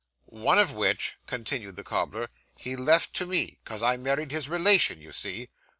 'One of which,' continued the cobbler, 'he left to me, 'cause I married his relation, you see.